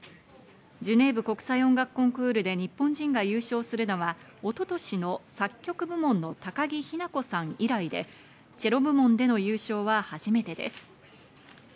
ジュネーブ国際音楽コンクールで日本人が優勝するのは一昨年の作曲部門の高木日向子さん以来で、チェロ部門での優勝は初めてです。